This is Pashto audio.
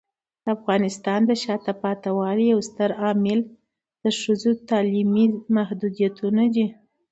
د افغانستان د شاته پاتې والي یو ستر عامل ښځو تعلیمي محدودیتونه دي.